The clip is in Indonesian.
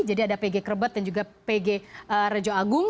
jadi ada pg krebet dan juga pg raja agung